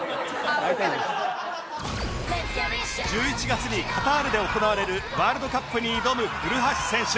１１月にカタールで行われるワールドカップに挑む古橋選手